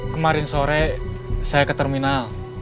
kemarin sore saya ke terminal